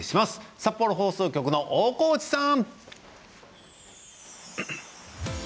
札幌放送局の大河内さん。